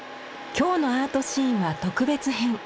今日の「アートシーン」は特別編。